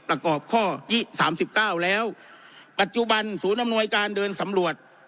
ประกอบข้อสามสิบเก้าแล้วปัจจุบันศูนย์อำนวยการเดินสำรวจ